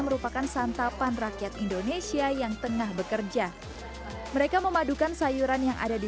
merupakan santapan rakyat indonesia yang tengah bekerja mereka memadukan sayuran yang ada di